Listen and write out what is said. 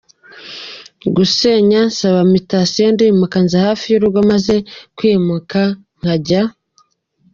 gusenya nsaba mutation ndimuka nza hafi y’urugo maze kwimuka nkajya.